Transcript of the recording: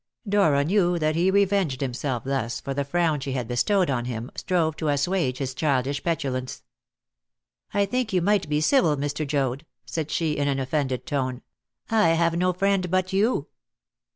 Dora, who knew that he revenged himself thus for the frown she had bestowed on him, strove to assuage his childish petulance. "I think you might be civil, Mr. Joad," said she in an offended tone. "I have no friend but you."